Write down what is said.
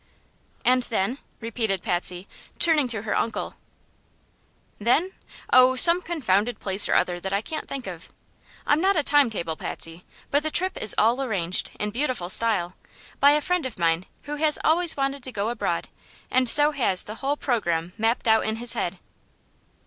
"And then?" repeated Patsy, turning to her Uncle. "Then? Oh, some confounded place or other that I can't think of. I'm not a time table, Patsy; but the trip is all arranged, in beautiful style, by a friend of mine who has always wanted to go abroad, and so has the whole programme mapped out in his head."